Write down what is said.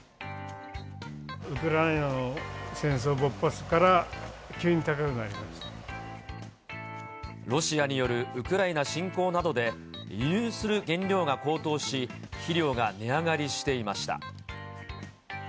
ウクライナの戦争勃発から、ロシアによるウクライナ侵攻などで、輸入する原料が高騰し、肥料が値上がりしていました。